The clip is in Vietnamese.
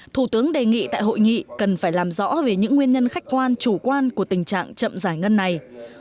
thủ tướng đề nghị tại hội nghị cần phải làm rõ về những nguyên nhân khách quan chủ quan của tình trạng chậm giải ngân này